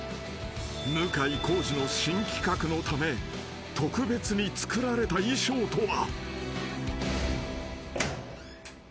［向井康二の新企画のため特別に作られた衣装とは］